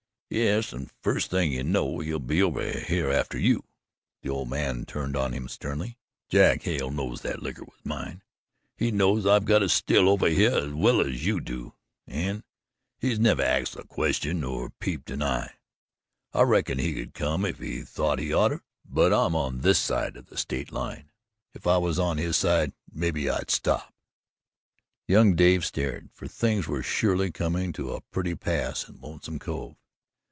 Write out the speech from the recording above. "Yes, and fust thing you know he'll be over hyeh atter YOU." The old man turned on him sternly. "Jack Hale knows that liquer was mine. He knows I've got a still over hyeh as well as you do an' he's never axed a question nor peeped an eye. I reckon he would come if he thought he oughter but I'm on this side of the state line. If I was on his side, mebbe I'd stop." Young Dave stared, for things were surely coming to a pretty pass in Lonesome Cove.